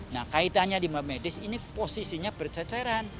nah kaitannya limbah medis ini posisinya berceceran